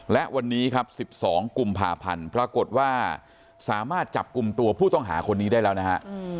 และวันนี้ครับ๑๒กุมภาพันธ์ปรากฏว่าสามารถจับกลุ่มตัวผู้ต้องหาคนนี้ได้แล้วนะฮะ